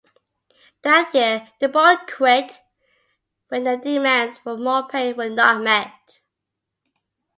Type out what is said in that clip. That year, they both quit when their demands for more pay were not met.